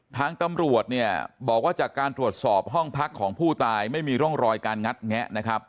ทางตำรวจเนี่ยบอกว่าจากการตรวจสอบห้องพักของผู้ตายไม่มีร่องรอยการงัดแงะนะครับ